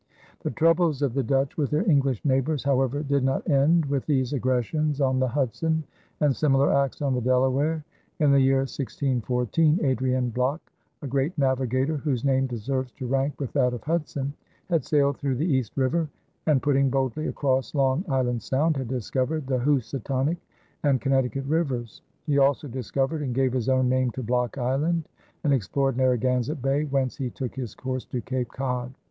The troubles of the Dutch with their English neighbors, however, did not end with these aggressions on the Hudson and similar acts on the Delaware. In the year 1614, Adriaen Block, a great navigator whose name deserves to rank with that of Hudson, had sailed through the East River, and putting boldly across Long Island Sound, had discovered the Housatonic and Connecticut rivers. He also discovered and gave his own name to Block Island and explored Narragansett Bay, whence he took his course to Cape Cod.